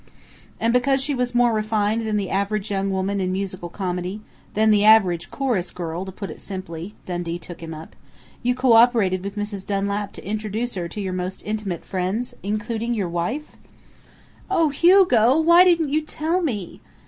"And because she was 'more refined than the average young woman in musical comedy' than the average chorus girl, to put it simply," Dundee took him up, "you co operated with Mrs. Dunlap to introduce her to your most intimate friends including your wife?" "Oh, Hugo! Why didn't you tell me?"